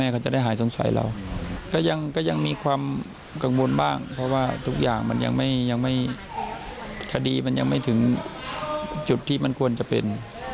คดีมันยังไม่ถึงจุดที่มันควรจะเป็น